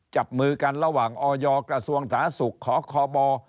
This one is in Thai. จับมือกันระหว่างอยกระทรวงศาสุขขบ